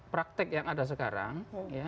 praktek yang ada sekarang